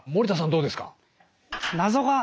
どうですか？